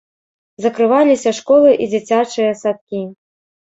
Закрываліся школы і дзіцячыя садкі.